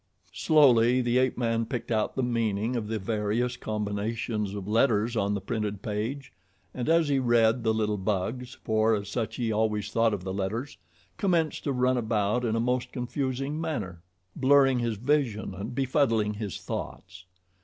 Slowly the ape man picked out the meaning of the various combinations of letters on the printed page, and as he read, the little bugs, for as such he always thought of the letters, commenced to run about in a most confusing manner, blurring his vision and befuddling his thoughts.